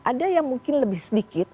ada yang mungkin lebih sedikit